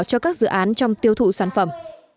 cho các dự án trong tiêu thụ sản phẩm